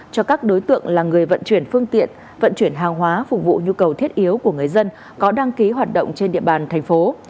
cho các đối tượng là người vận chuyển phương tiện vận chuyển hàng hóa phục vụ nhu cầu thiết yếu của người dân có đăng ký hoạt động trên địa bàn thành phố